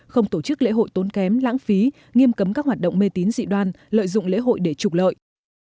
không tổ chức lễ hội tốn kém lãng phí nghiêm cấm các hoạt động mê tín dị đoan lợi dụng lễ hội để trục lợi